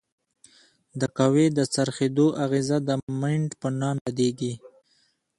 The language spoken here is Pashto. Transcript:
د قوې د څرخیدو اغیزه د مومنټ په نامه یادیږي.